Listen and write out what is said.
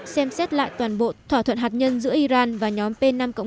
xem xét lại toàn bộ thỏa thuận hạt nhân giữa iran và nhóm p năm một